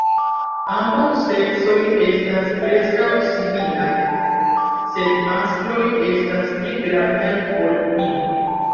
Ambaŭ seksoj estas preskaŭ similaj, sed maskloj estas pli grandaj ol inoj.